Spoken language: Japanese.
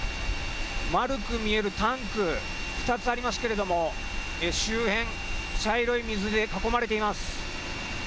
丸く見えるタンク、２つありますけれども周辺、茶色い水で囲まれています。